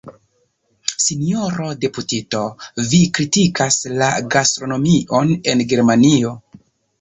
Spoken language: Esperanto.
Sinjoro deputito, vi kritikas la gastronomion en Germanio.